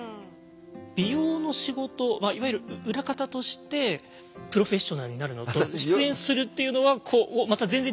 美容の仕事はいわゆる裏方としてプロフェッショナルになるのと出演するっていうのはこうまた全然違う？